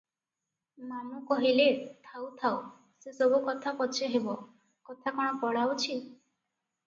"ମାମୁ କହିଲେ, "ଥାଉ ଥାଉ, ସେ ସବୁ କଥା ପଛେ ହେବ, କଥା କଣ ପଳାଉଛି?